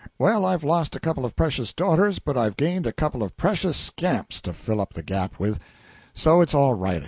Well, I've lost a couple of precious daughters, but I've gained a couple of precious scamps to fill up the gap with; so it's all right.